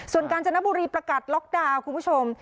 ส่วนกาญจนบุรีประกาศล็อกดาวน์คุณผู้ชม